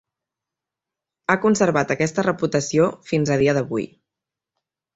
Ha conservat aquesta reputació fins a dia d'avui.